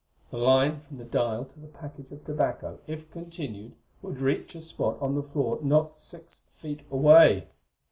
The line from the dial to the package of tobacco, if continued, would reach a spot on the floor not six feet away.